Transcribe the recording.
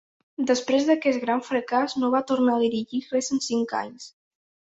Després d’aquest gran fracàs, no va tornar a dirigir res en cinc anys.